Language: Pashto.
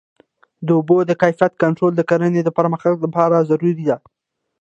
د اوبو د کیفیت کنټرول د کرنې د پرمختګ لپاره ضروري دی.